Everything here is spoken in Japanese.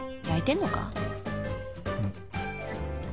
やいてんのか！？